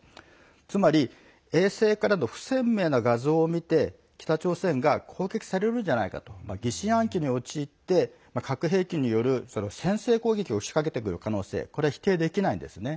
つまり、衛星からの不鮮明な画像を見て北朝鮮が攻撃されるんじゃないかと疑心暗鬼に陥って、核兵器による先制攻撃を仕掛けてくる可能性否定できないんですね。